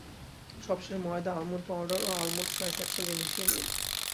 সবশেষে ময়দা, almond powder ও আলমন্ড স্লাইস একসঙ্গে মিশিয়ে নিন।